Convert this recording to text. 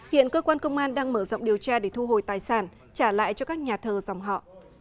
hiện cơ quan công an đang mở rộng điều tra để thu hồi tài sản trả lại cho các nhà thờ dòng họ